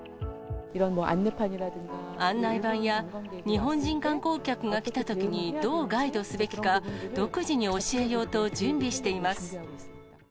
案内板や、日本人観光客が来たときにどうガイドすべきか、独自に教えようと準備しています。